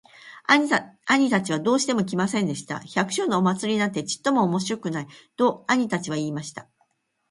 兄たちはどうしても来ませんでした。「百姓のお祭なんてちっとも面白くない。」と兄たちは言いました。